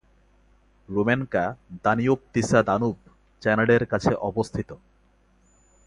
রুমেনকা দানিউব-তিসা-দানুব চ্যানেলের কাছে অবস্থিত।